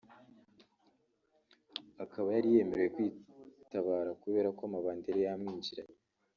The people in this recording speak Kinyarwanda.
akaba yari yemerewe kwitabara kubera ko amabandi yari yamwinjiranye